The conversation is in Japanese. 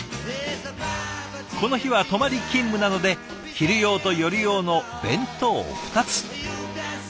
この日は泊まり勤務なので昼用と夜用の弁当２つ。